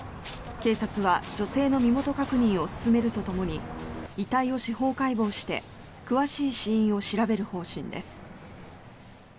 警察は女性の身元確認を進めるとともに遺体を司法解剖して詳しい死因を調べる方針です。